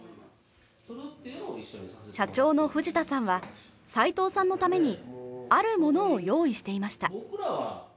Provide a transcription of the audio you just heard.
社長の藤田さんは齊藤さんのためにあるものを用意していました。